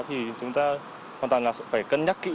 thì chúng ta hoàn toàn là phải cân nhắc kỹ